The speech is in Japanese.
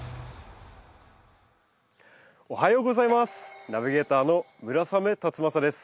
おはようございます。